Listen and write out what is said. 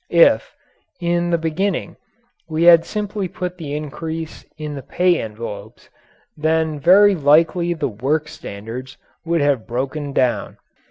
If, in the beginning, we had simply put the increase in the pay envelopes, then very likely the work standards would have broken down.